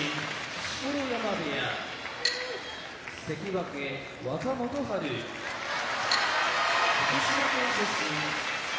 錣山部屋関脇・若元春福島県出身荒汐